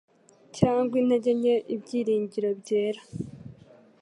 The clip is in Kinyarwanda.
cyangwa intege nke ibyiringiro byera